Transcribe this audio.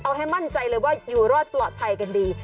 เอาให้มั่นใจเลยว่าอยู่รอดปลอดภัยกันดี